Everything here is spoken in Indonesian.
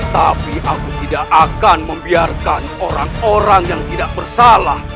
tapi aku tidak akan membiarkan orang orang yang tidak bersalah